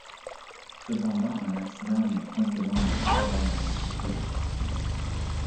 Cependant, un accident vient promptement mettre un terme à ces succès de courtisan.